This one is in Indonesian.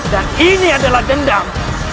dan ini adalah dendam